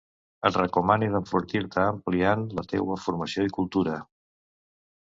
Et recomane d'enfortir-te ampliant la teua formació i cultura.